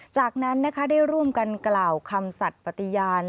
จากนั้นนะคะได้ร่วมกันกล่าวคำสัตว์ปฏิญาณ